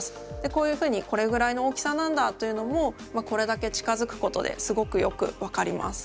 こういうふうにこれぐらいの大きさなんだというのもこれだけ近づくことですごくよく分かります。